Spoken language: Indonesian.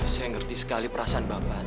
saya ngerti sekali perasaan bapak